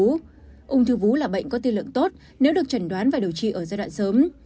ung thư vú là bệnh có tiên lượng tốt nếu được trần đoán và điều trị ở giai đoạn sớm